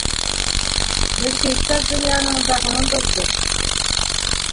Беҙ кейектәр донъяһының законын боҙҙоҡ.